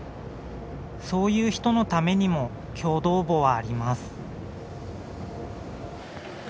そういう人のためにも共同墓はあります。